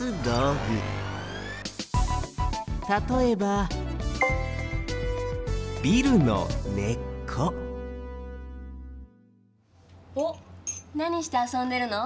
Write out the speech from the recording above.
たとえばおっなにしてあそんでるの？